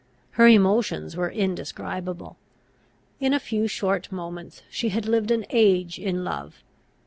Her emotions were indescribable. In a few short moments she had lived an age in love.